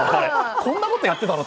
こんなことやってたの？